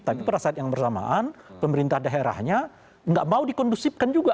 tapi pada saat yang bersamaan pemerintah daerahnya tidak mau di kondusifkan juga